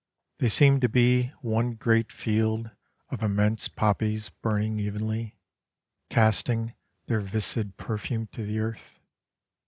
They seemed to be One great field of immense poppies burning evenly, Casting their viscid perfume to the earth.